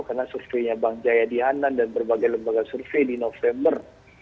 karena surveinya bang jaya di hanan dan berbagai lembaga survei di november dua ribu dua puluh dua